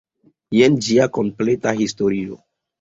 Jen ĝia kompleta historio.